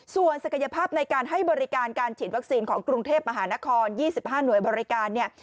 ส่วนศักยภาพในการให้บริการการฉีดวัคซีนของกรุงเทพมหานคร๒๕หน่วยบริการเนี่ย